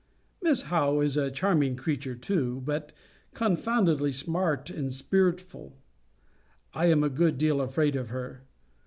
Miss Howe is a charming creature too; but confoundedly smart and spiritful. I am a good deal afraid of her.